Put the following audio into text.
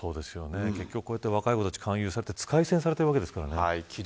こうやって若い子たちが勧誘されて使い捨てにされているわけですからね。